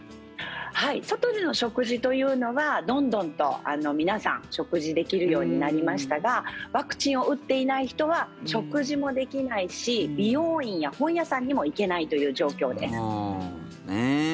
外での食事というのはどんどんと皆さん食事できるようになりましたがワクチンを打っていない人は食事もできないし美容院や本屋さんにも行けないという状況です。